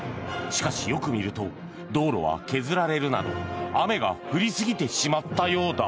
しかし、よく見ると道路は削られるなど雨が降りすぎてしまったようだ。